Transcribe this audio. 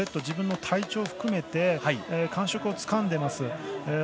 自分の体調を含めて感触をつかんでます。